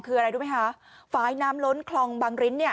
คืออะไรรู้ไหมคะฝ่ายน้ำล้นคลองบางริ้นเนี่ย